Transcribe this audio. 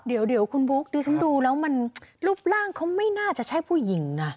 เดี๋ยวคุณบุ๊คดิฉันดูแล้วมันรูปร่างเขาไม่น่าจะใช่ผู้หญิงนะ